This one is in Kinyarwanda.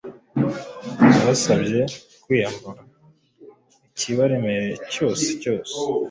yabasabye kwiyambura ikibaremereye cyose cyose